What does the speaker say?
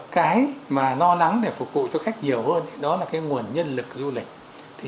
cái mà no lắng để phục vụ cho khách nhiều hơn đó là nguồn nhân lực du lịch